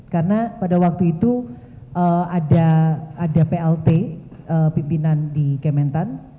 karena pada waktu itu ada plt pimpinan di kementan